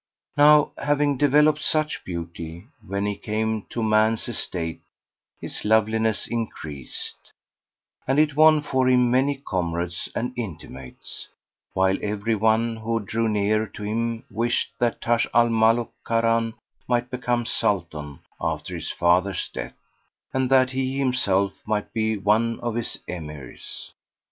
"[FN#471] Now having developed such beauty, when he came to man's estate his loveliness increased, and it won for him many comrades and intimates; while every one who drew near to him wished that Taj al Muluk Kharan might become Sultan after his father's death, and that he himself might be one of his Emirs.